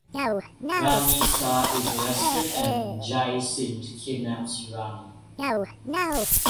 Rani Sa is arrested and Jai Singh kidnaps Rani.